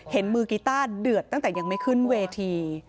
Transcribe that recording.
เห็นมือกีต้าเดือดตั้งแต่ยังไม่ขึ้นเวที